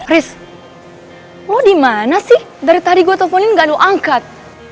riz lo dimana sih dari tadi gue telfonin gak lo angkat